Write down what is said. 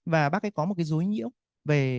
và bác ấy có một cái rối nhiễu về